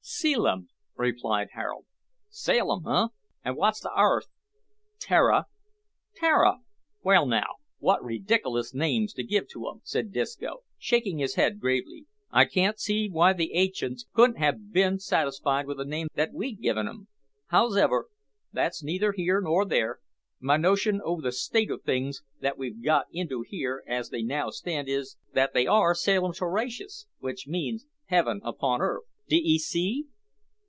"Caelum," replied Harold. "Sailum, eh? An' wot's the 'arth?" "Terra." "Terra? well now, wot rediklous names to give to 'em," said Disco, shaking his head gravely, "I can't see why the ancients couldn't ha' bin satisfied with the names that we'd given 'em. Hows'ever, that's neither here nor there. My notion o' the state o' things that we've got into here, as they now stand, is, that they are sailumterracious, which means heaven upon earth, d'ee see?"